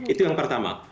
itu yang pertama